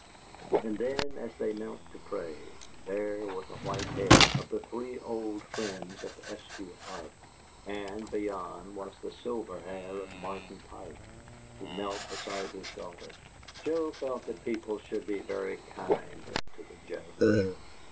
And then, as they knelt to pray, there were the white heads of the three old friends of Eskew Arp; and beyond was the silver hair of Martin Pike, who knelt beside his daughter. Joe felt that people should be very kind to the Judge.